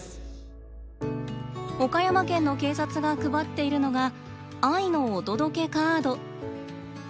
岡山県の警察が配っているのが「愛のお届けカード」。